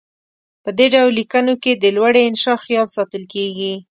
په دې ډول لیکنو کې د لوړې انشاء خیال ساتل کیږي.